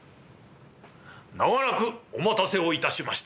長らくお待たせを致しました。